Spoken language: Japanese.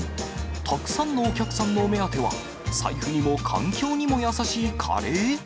たくさんのお客さんの目当ては、財布にも環境にも優しいカレー？